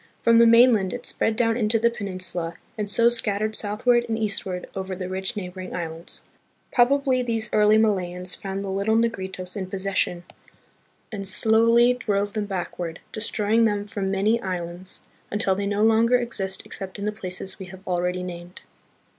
From the mainland it spread down into the pen insula and so scattered southward and eastward over the rich neighboring islands. Probably these early Ma layans found the little Negritos in possession and slowly 32 THE PHILIPPINES. drove them backward, destroying them from many islands until they no longer exist except in the places we have already named.